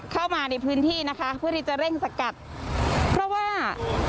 เข้ามาในพื้นที่นะคะเพื่อที่จะเร่งสกัดเพราะว่า